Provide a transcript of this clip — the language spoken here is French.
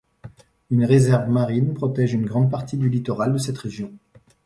Une réserve marine protège une grande partie du littoral de cette région.